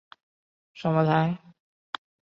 这对双胞胎姐妹都是公开的同性恋者。